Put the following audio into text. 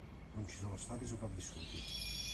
Non ci sono stati sopravvissuti.